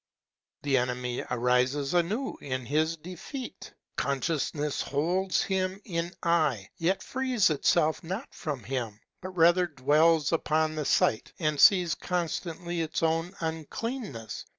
The enemy arises anew in his defeat. Consciousness holds him in eye, yet frees itself not from him, but rather dwells upon the sight, and sees constantly its own uncleanness.